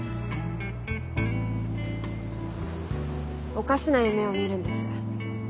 おかしな夢を見るんです。